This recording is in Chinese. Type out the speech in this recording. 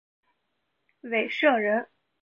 韦陟人。